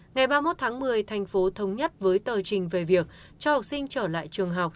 ngày ba mươi một tháng một mươi thành phố thống nhất với tờ trình về việc cho học sinh trở lại trường học